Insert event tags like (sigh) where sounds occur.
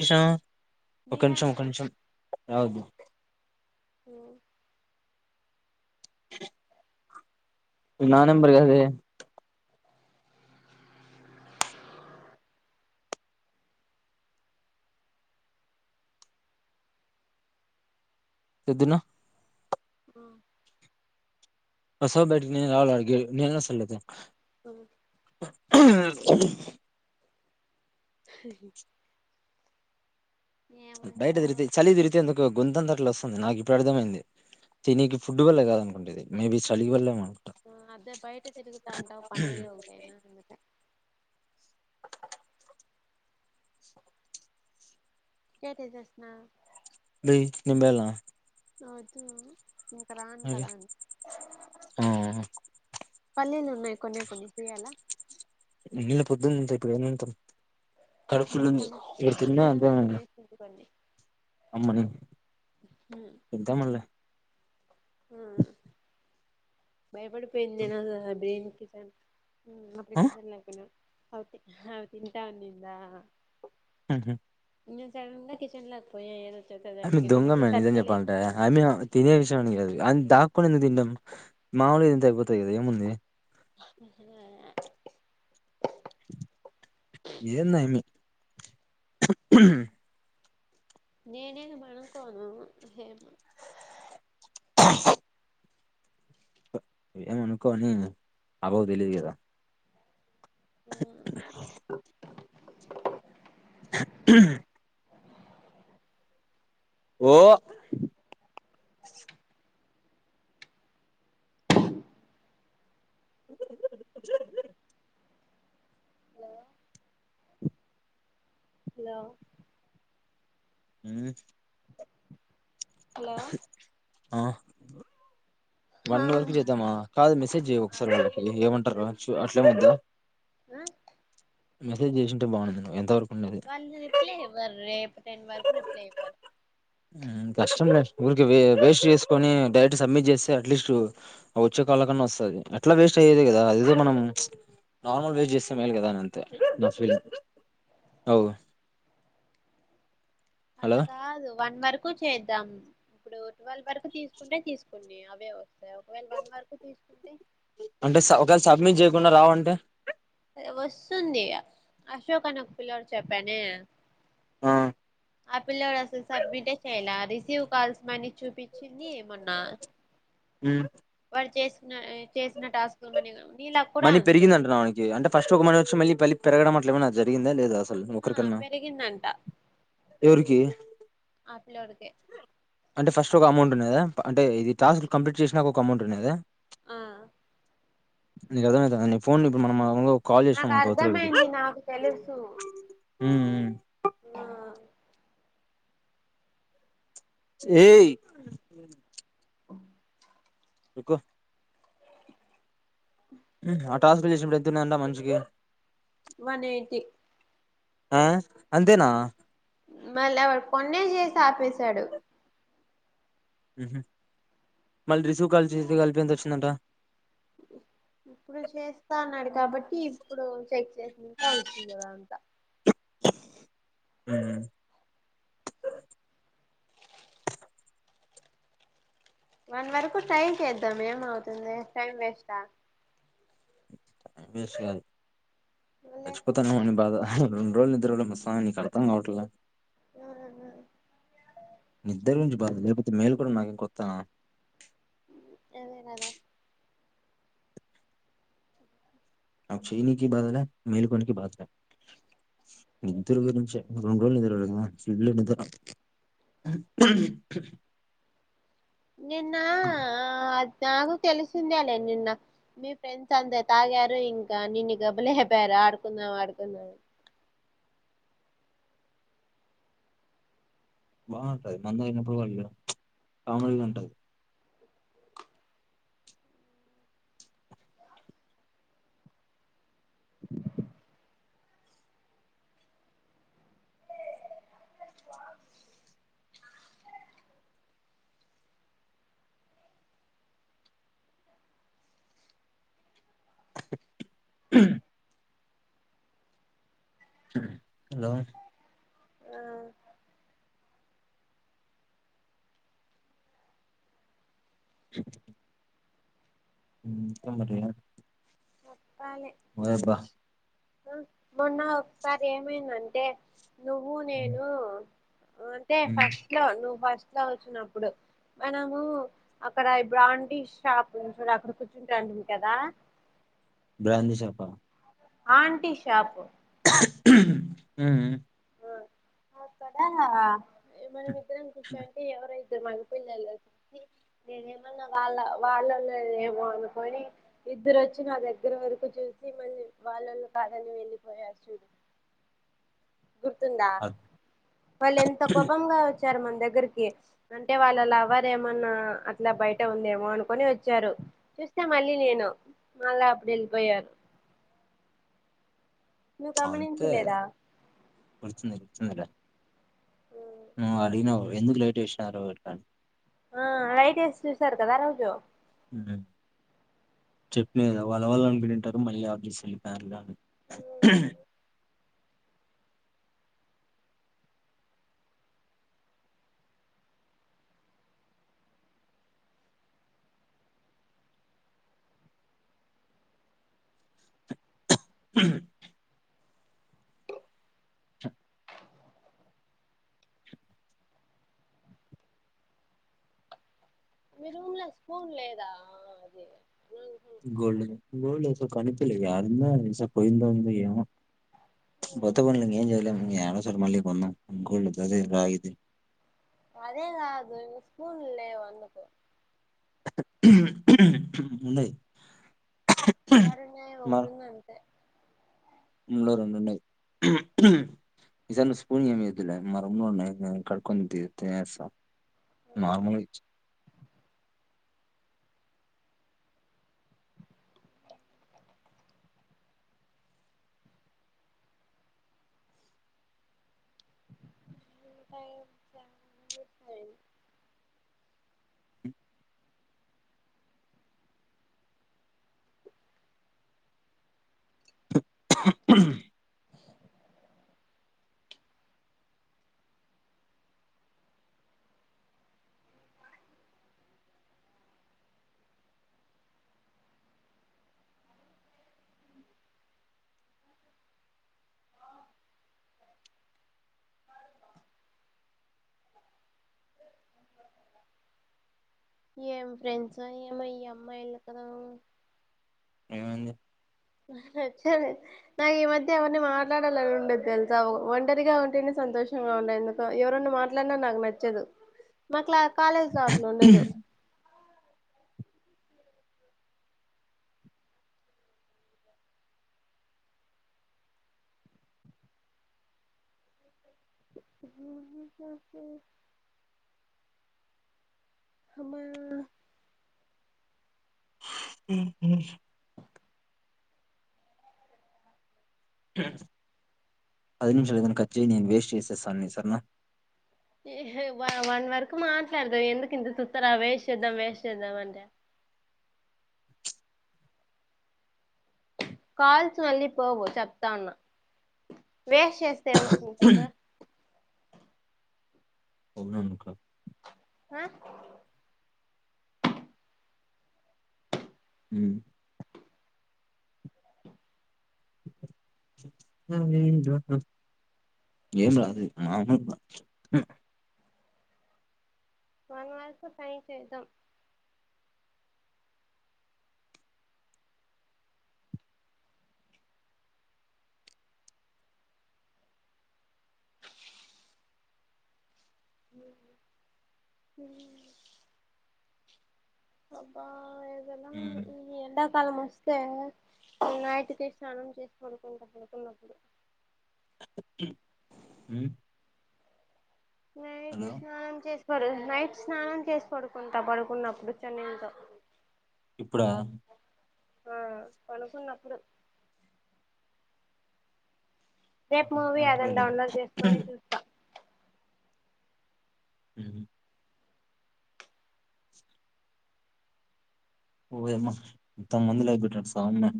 విషా ఒక నిమిషం ఒక నీదానికే నిమిషం రావదు (inaudible) నా నెంబర్ గదే పొద్దున్న ఆ వస్తావా బయటికి నేను రావాలా ఆడికి నేను వస్తాలే అయితే (inaudible) (inaudible) ఏమంటావు బయటతిరిగితే చలి తిరిగితే ఎందుకో గుొంతంద అట్ల వాస్ నాకు ఇప్పుడు అర్థమైంది తినీనికి ఫుడ్ వల్ల కాద అనుకుంటేది మేబీ చలి వల్ల మన ఆ అదే బయట తిరుగుతాంటావ్ పన్నెండ ఒకటా అందుకే గేట్ ఎసేసిన బయ నింబలా అవుదు ఇంకా రాను మరి కదా ఆ పల్లెలో నే కొనీ కొన్ని పూయలా ఉన్నిలే పొద్దుందంత ఇప్పుడు ఏనాంటా కడపు ఫుల్ ఉంది మీరు తిన చందనా అంటే తినేసింది కొన్ని అమ్మని పెదామాల్ని. ఆ భయపడిపోయిందిే తినాలో దేనికి (unintelligible) ఉ ఆ అప్లికేషన్ లేకపోయినా అవి తింటా వునిందా హహ (unintelligible) కిచన్ లోపోయి ఏరో అమీ దొంగ మే నిజం చెప్పాలంట అమీ తినే విషయం అనీ కాదు అ దాకుని ఎందుకు తినడం మాముూలు గా తింటే అయిపోతాదిక్కద ఏముందీ (inaudible) ఏందో (inaudible) నేనేను మనకోను హేమో (inaudible) ఏమనుకోని అవకు తెలియదు కదా. అవును ఓ హలో హలో ఉ హలో ఆ హా వన్ వరకు చేద్దామా కాదు మెసేజ్య ఒకసారి అదే వాళ్ళకి నేను ఏమంటారు. చెప్పా ఆ అట్లేమద్దా మెసేజ్ చేసింటే బాగున్నా ఎంత వరకు ఉండేది వాళ్ళు రిప్లై ఇవ్వరు రేప్ టెన్ వరకు రిప్లై ఇవ్వరు. కష్టం లే ఊరికే వేస్ట్ చేసుకొని డైరెక్ట్ సబ్మిట్ చేస్తే అట్లీస్ట్ వచ్చే కాల్ కన్నా వస్తది. ఎట్లా వేస్ట్ అయ్యేది కదా అదిదో మనం నార్మల్ వేస్ట్ చేస్తే మేలు కదాంతే అవ్ అట్లా కాదు వన్ వరకు చేద్దాం ఇప్పుడు ట్వెల్వ్ వరకు తీసుకుంటే తీసుకుండి అవే వ ఒకవేళ వన్ వరకు తీసుకుంటే, కుడా రావంటే వస్తుంది. అశోక్ అనే ఒక పిల్లడు చెప్పానే ఆ ఆ పిల్లోడు అసలు సబ్మిటే చేయాల రిసీవ్ కాల్స్ మని చూపించింది. మొన్న ఉం వాడు చేసిన, చేసిన టాస్కులు మని నీలాకు కూడా మనీ అంతే పెరిగిందంటవనకి అంటే ఫస్ట్ ఒక మంత్ వచ్చి మళ్ళీ మళ్ళీ పెరగడం అట్ల ఏమనా జరిగిందా లేదా అస ఆ పెరిగిందంట ఎవరికి ఆ పిలోడు కే అంటే ఫస్ట్ ఒక అమౌంట్ ఉన్నదా అంటే ఇది టాస్క్ కంప్లీట్ చేసినాక ఒక అమౌంట్ ఉన్నదా. ఆ నీకు అర్థమైతుందా నీ ఫోన్ ఇప్పుడు మనం కాల్ చేసినాం నాకు అనుకో అవతలోడికి అర్ధమయింది నాకు తెలుసు. ఉమ్, ఉం ఆ ఏయ్ ఓ ఉకో ఆ టాస్క్లు చేసినప్పుడు ఎంతుండదట మనిషికి వన్ ఎయిటీ ఆ అంతేనా మళ్ళీ అవడు కొన్నే చేసి ఆపేశాడు. ఉహు మళ్ళీ రిసీవ్ కాల్చస్త కల్పెంత వచ్చిందట. ఇప్పుడు చేస్తా అన్నాడు. కాబట్టి ఇప్పుడు చెక్ చేసినంత అవుస్తుందిదా అంత ఉం వన్ వరకు టైం చేద్దాం ఏమవుతుంది. టైం వేస్టా వేస్ట్ కాదు. మళ్ళీ చచ్చిపోతాన్నము బాధ రెండు రోజులు నిద్ర పట్టలే మసా నీకు అర్ధం కావట్ల. ఆ బ లేకపోతే మేల్ కూడా నాకేం కొత్తనా అదే గదా ఆ చైైనకి బాధలే మేలుకకి బాధలే నిద్దరు గురించే రెండు రోజులు నిద్ర కదా ఫుల్ నిద్ర నిన్న ఆ నాకు తెలిసిందే లే నిన్న మీ ఫ్రెండ్స్ అందరు తాగారు ఇంకా నిన్ను గబ్బులేపారు ఆడుకుందాం ఆడుకుందాం బాగుంటుది మందు తాగినప్పుడు వాళ్ళ కామిడిగా ఉంటది హలో ఆ మ్ పోనీ వాళ్ళే మొన్న ఒకసారి ఏమైందంటే నువ్వు నేను అంతే ఫస్ట్ లో నువ్వు ఫస్ట్ ఇట్లా వచ్చినప్పుడు మనము అక్కడ అంటి షాప్ ఉ చూడ అప్పుడు ఉంటంటీవీ కదా బ్రాందీ షాప ఆంటీ షాపు ఉహ్ హు అక్కడ మన ఇద్దరం కూర్చో అంటే ఎవరైతే ఇద్దరు మగపిల్లల్లో చూసి నేనేమన్నా. వాళ్ళ వాళ్ళళ ఏమో అనుకొని ఇద్దరు వచ్చి నా దగ్గర వరకు చూసి. మళ్ళీ వాళ్ళళు కాదని వెళ్ళిపోయారు. చూడు గుర్తుందా అద్- వాళ్ళు ఎంత కోపంంగా వచ్చారు మన దగ్గరికి అంటే వాళ్ళ లవర్ ఏమన్నా అట్లా బయట ఉందేమో అనుకుొని వచ్చారు చూస్తే మళ్ళీ నేను మళ్ళా అప్పుడు వెళ్ళిపోయారు నువ్వు అంతే గమనించలేదా (unintelligible) మ్ అడిగినావ్ ఎందుకు లేట్ చేసినారు ఎట్లా ఆ లైటెస్ చూసారు కదా రోజ్ చెప్పిన కదా వాళ్ళ వాళ్ళు అనుకుంటారు మళ్ళీ ఎవరి (unintelligible) కానీ హ మీరుూమ్ లో స్పూన్ లేదా అదే గోల్డ్ గోల్డ్స కనిపలే యారుందా ఏసో పోయింద ఉంది ఏమో మొత్తం పోనీ ఏం జయాలేం జర్ మల్లి కొందాం గోల్డ్ ధరేంద్ ఇద్ అదేలా దాని స్కూల్ వన్నకో ఉన్నాయి యాడునై ఒకటుందంతే రూంలో రెండునై ఈసారి నువ్వు స్పూని అమీదులే మా రూంలో కడుకొన్ తీన్ తినేస్తాం. నార్మల్గా ఇచ్ థాంక్స్ రా (unintelligible) (inaudible) (inaudible) ఏం ఫ్రెండ్స్ ఏమో ఈ అమ్మాయిలు కదా ఏమైంది నచ్చద్ నాకు ఈ మధ్య ఎవరిని మాట్లాడాలని ఉండదు. తెలుసా ఒంటరిగా ఉంటేనే సంతోషంగా ఉంది ఎందుక ఎవరన్నా మాట్లాడినా నాకు నచ్చదు. మాక్ల కాలేజ్ లో అట్లు ఉండదు. కా స (unintelligible) హమ్మయ్య (inaudible) పది నిమిషాలు అతంది కట్ చెయ్. నేను వేస్ట్ చేసేసాన్ని సార్నా. ఏ హే వన్ వరకు మాట్లాడుదాం. ఎందుకు ఇంత చూత్తరా వేస్ చేద్దాం వేస్ చేద్దాం అంటే. కాల్స్ మళ్లి పోవు చెప్తావున్నా వేస్ట్ చేస్తే ఏమొస్తుంది చెప్ అవున ఇంకా ఆ ఉమ్ ఏం రాదు మన వరకు సైన్ చేద్దాం (inaudible) అబ్బా ఉమ్ కళం వస్తే నైటికి స్నానం చేసి పడుకుంటా (inaudible) నైట్ హలో స్నానం చేసి నైట్ స్నానం చేసి పడుకుంటా. పడుకున్నప్పుడు చనిల్తో ఇప్పుడ ఆ పనుకున్నప్పుడు రేపు మూవీ అడుగుతున్నప్పుడే అదని లే డౌన్లోడ్ చేసుకొని చూస్తా. ఉహ్మ్ ఓయామ్మ మోత్తం మంది లైక్ గొట్టినారు సమ్మె